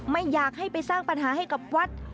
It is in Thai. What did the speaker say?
ไม่อยากให้ไปสร้างปัญหาให้กับวัด